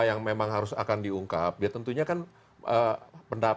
yang memang harus diungkap